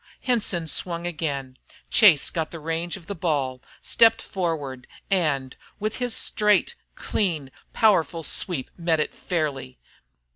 Henson swung again. Chase got the range of the ball, stepped forward, and, with his straight, clean, powerful sweep, met it fairly.